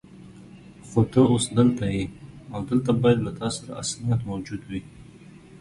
خو ته اوس دلته یې او دلته باید له تا سره اسناد موجود وي.